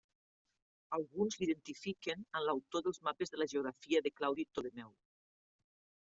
Alguns l'identifiquen amb l'autor dels mapes de la geografia de Claudi Ptolemeu.